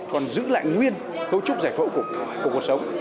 còn giữ lại nguyên cấu trúc giải phẫu của cuộc sống